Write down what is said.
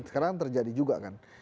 sekarang terjadi juga kan